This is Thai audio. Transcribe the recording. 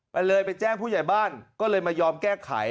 มันเลยไปแจ้งผู้ใหญ่บ้านก็เลยมายอมแก้ไข